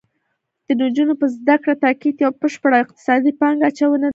د نجونو په زده کړه تاکید یو بشپړ اقتصادي پانګه اچونه ده